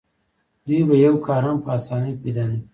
دوی به یو کار هم په اسانۍ پیدا نه کړي